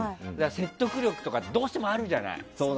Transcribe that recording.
説得力とかどうしてもあるじゃない。